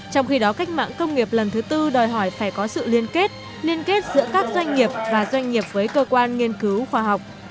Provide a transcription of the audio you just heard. trong khi đó cách mạng công nghiệp lần thứ tư đòi hỏi phải có sự liên kết liên kết giữa các doanh nghiệp và doanh nghiệp với cơ quan nghiên cứu khoa học